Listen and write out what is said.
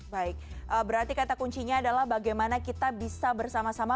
baik berarti kata kuncinya adalah bagaimana kita bisa bersama sama